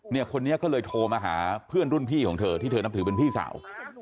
เนี่ยคนนี้ก็เลยโทรมาหาเพื่อนรุ่นพี่ของเธอที่เธอนับถือเป็นพี่สาว